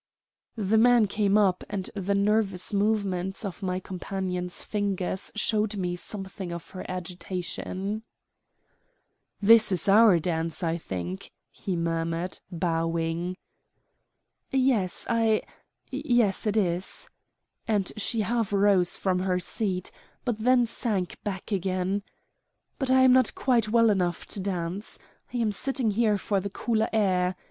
The man came up, and the nervous movements of my companion's fingers showed me something of her agitation. "This is our dance, I think," he murmured, bowing. "Yes, I yes, it is," and she half rose from her seat, but then sank back again. "But I am not quite well enough to dance. I am sitting here for the cooler air.